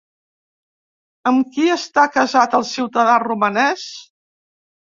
Amb qui està casat el ciutadà romanès?